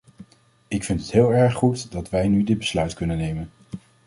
Ik vind het heel erg goed dat wij nu dit besluit kunnen nemen.